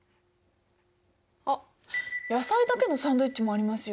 あっ野菜だけのサンドイッチもありますよ。